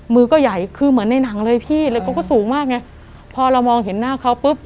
มือก็ใหญ่คือเหมือนในหนังเลยพี่เลยเขาก็สูงมากไงพอเรามองเห็นหน้าเขาปุ๊บ